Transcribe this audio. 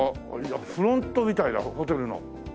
フロントみたいだホテルの。